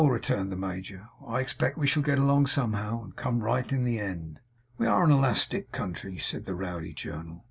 returned the major, 'I expect we shall get along somehow, and come right in the end.' 'We are an elastic country,' said the Rowdy Journal.